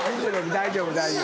大丈夫大丈夫。